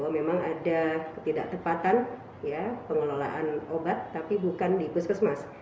memang ada ketidaktepatan pengelolaan obat tapi bukan di puskesmas